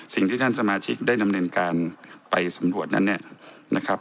สิ่งที่ท่านสมาชิกได้ดำเนินการไปสำรวจนั้นเนี่ยนะครับ